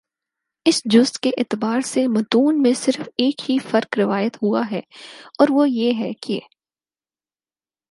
اس جز کے اعتبار سے متون میں صرف ایک ہی فرق روایت ہوا ہے اور وہ یہ ہے کہ